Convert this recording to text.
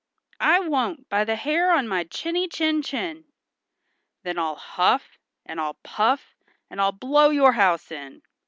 "I won't, by the hair on my chinny chin chin." "Then I'll huff, and I'll puff, and I'll blow your house in."